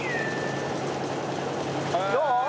どう？